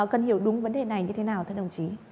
cần hiểu đúng vấn đề này như thế nào thưa đồng chí